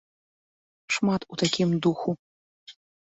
Шмат у такім духу.